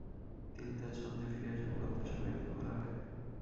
তিনি তার ছন্দে ফিরে আসার প্রত্যাশা ব্যক্ত করা হয়।